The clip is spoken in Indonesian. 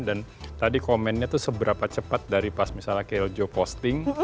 dan tadi komennya tuh seberapa cepat dari pas misalnya kljo posting